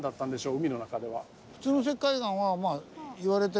海の中では。